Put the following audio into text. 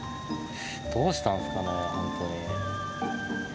どうしたんすかね、本当に。